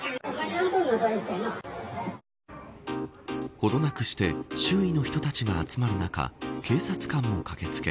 ほどなくして周囲の人たちが集まる中警察官も駆け付け